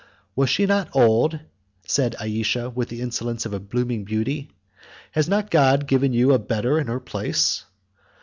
"Was she not old?" said Ayesha, with the insolence of a blooming beauty; "has not God given you a better in her place?"